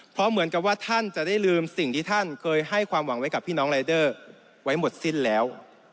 เพราะเหมือนกับว่าท่านจะได้ลืมสิ่งที่ท่านเคยให้ความหวังไว้กับพี่น้องรายเดอร์ไว้หมดสิ้นแล้ว